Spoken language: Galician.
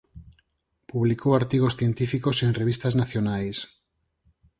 Publicou artigos científicos en revistas nacionais.